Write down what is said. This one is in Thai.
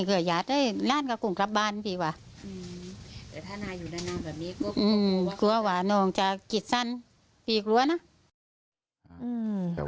กลัวว่านองจะคิดสั้นพี่กลัวนะ